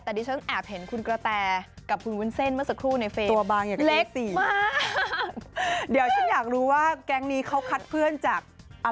แต่ดิฉันแอบเห็นคุณกระแตกับคุณวุ้นเส้นเมื่อสักครู่ในเฟส๔